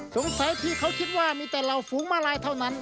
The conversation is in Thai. ที่เขาคิดว่ามีแต่เหล่าฝูงมาลายเท่านั้น